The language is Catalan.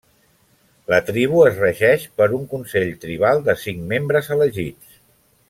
La tribu es regeix per un consell tribal de cinc membres elegits.